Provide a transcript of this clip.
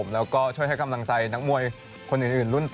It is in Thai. แล้วก็ช่วยกำลังใจคนอื่นรุ่น